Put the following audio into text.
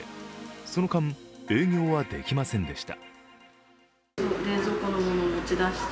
その間、営業はできませんでした。